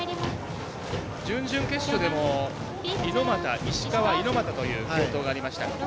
準々決勝でも猪俣、石川猪俣という継投がありました。